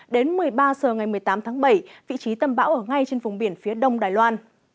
đến một mươi ba h ngày một mươi tám tháng bảy vị trí tâm bão ở ngay trên vùng biển phía đông đài loan